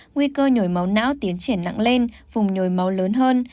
nguy cơ nhồi máu não tiến triển nặng lên vùng nhồi máu lớn hơn